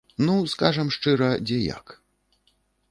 Ну, скажам шчыра, дзе як.